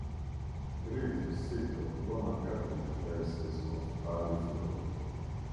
It is the seat of the Roman Catholic Diocese of Valleyfield.